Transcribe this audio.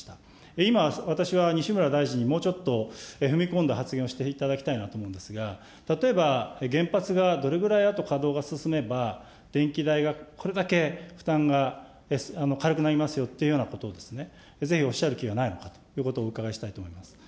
今、私は西村大臣にもうちょっと踏み込んだ発言をしていただきたいなと思うんですが、例えば、原発がどれぐらいあと稼働が進めば、電気代がこれだけ負担が軽くなりますよというようなことをぜひおっしゃる気がないのかということをお伺いしたいと思います。